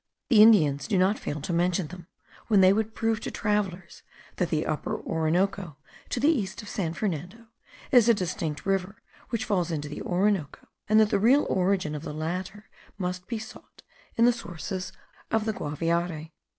The Indians do not fail to mention them, when they would prove to travellers that the Upper Orinoco, to the east of San Fernando, is a distinct river which falls into the Orinoco, and that the real origin of the latter must be sought in the sources of the Guaviare.